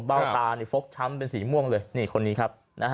ตาฟกช้ำเป็นสีม่วงเลยนี่คนนี้ครับ